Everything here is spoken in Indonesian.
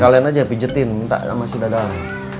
kalian aja pijetin minta sama si dadang